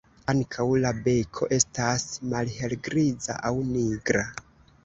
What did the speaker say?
Ankaŭ la beko estas malhelgriza aŭ nigra.